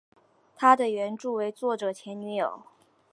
她的原型为作者前女友。